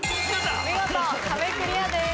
見事壁クリアです。